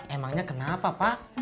emangnya kenapa pak